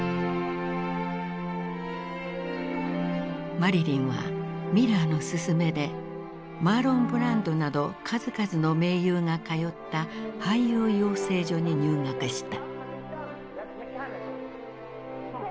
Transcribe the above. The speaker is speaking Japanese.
マリリンはミラーのすすめでマーロン・ブランドなど数々の名優が通った俳優養成所に入学した。